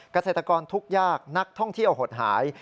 เกษตรกรทุกข์ยากนักท่องเที่ยวหดหาย